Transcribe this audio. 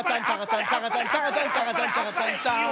ジャカジャンジャカジャンジャン